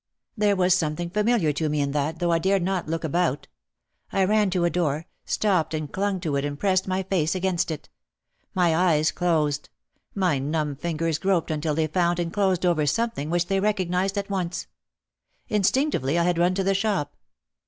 There was something familiar to me in that, though I dared not look about. I ran to a door, stopped and clung to it and pressed my face against it. My eyes closed. My numb fingers groped until they found and closed over something which they recog nised at once. Instinctively I had run to the shop.